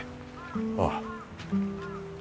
ああ。